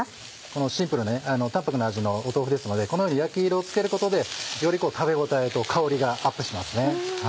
このシンプルで淡泊な味の豆腐ですのでこのように焼き色をつけることでより食べ応えと香りがアップしますね。